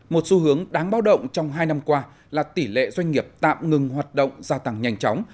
một xu hướng đáng bao động trong hai năm qua là tỷ lệ doanh nghiệp tạm ngừng hoạt động gia tăng nhanh chóng